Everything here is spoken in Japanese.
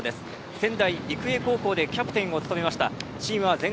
仙台育英高校でキャプテンを務めました。